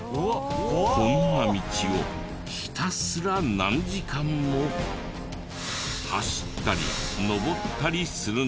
こんな道をひたすら何時間も走ったり登ったりするのです。